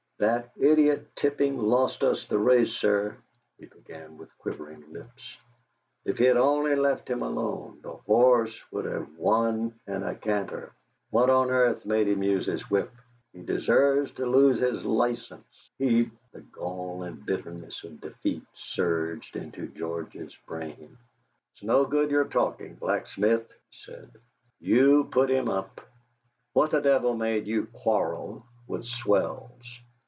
"That idiot Tipping lost us the race, sir," he began with quivering lips. "If he'd only left him alone, the horse would have won in a canter. What on earth made him use his whip? He deserves to lose his license. He " The gall and bitterness of defeat surged into George's brain. "It's no good your talking, Blacksmith," he said; "you put him up. What the devil made you quarrel with Swells?"